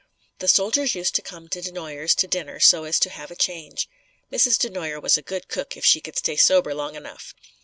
The soldiers used to come to DeNoyer's to dinner so as to have a change. Mrs. DeNoyer was a good cook if she would stay sober long enough.